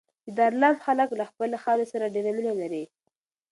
د دلارام خلک له خپلي خاورې سره ډېره مینه لري